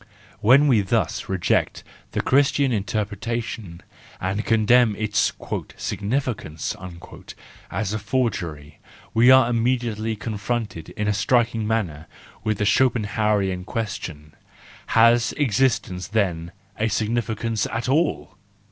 When we thus WE FEARLESS ONES 309 reject the Christian interpretation, and condemn its " significance " as a forgery, we are immediately confronted in a striking manner with the Schopen hauerian question : Has existence then a significance at all?